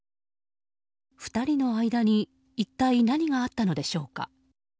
２人の間に一体何があったのでしょうか。